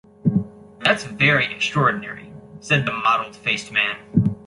‘That’s very extraordinary,’ said the mottled-faced man.